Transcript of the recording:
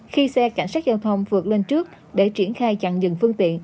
khi xe cảnh sát giao thông vượt lên trước để triển khai chặn dừng phương tiện